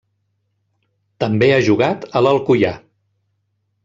També ha jugat a l'Alcoià.